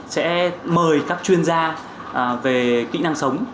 sẽ mời các chuyên gia về kỹ năng sống